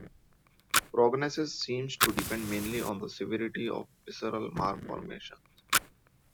Prognosis seems to depend mainly on the severity of visceral malformations.